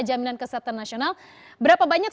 jaminan kesehatan nasional berapa banyak